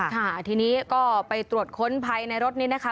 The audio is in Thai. ค่ะทีนี้ก็ไปตรวจค้นภายในรถนี้นะคะ